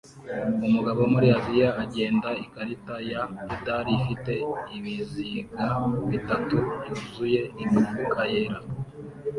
Umugabo wo muri Aziya agenda ikarita ya pedal ifite ibiziga bitatu byuzuye imifuka yera